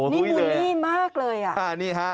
นี่บุญที่มากเลยอะ